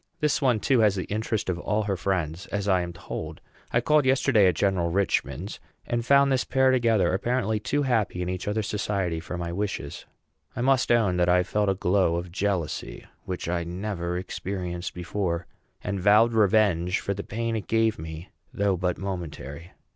This one, too, has the interest of all her friends, as I am told. I called yesterday at General Richman's, and found this pair together, apparently too happy in each other's society for my wishes. I must own that I felt a glow of jealousy, which I never experienced before, and vowed revenge for the pain it gave me, though but momentary.